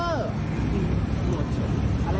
อะไรนะตำรวจตำรวจ